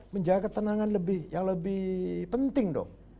menjaga ketenangan lebih yang lebih penting dong